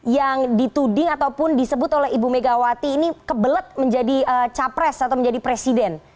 yang dituding ataupun disebut oleh ibu megawati ini kebelet menjadi capres atau menjadi presiden